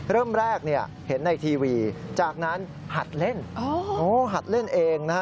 เริ่มแรกเนี่ยเห็นในทีวีจากนั้นหัดเล่นหัดเล่นเองนะฮะ